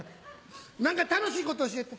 何か楽しいこと教えて。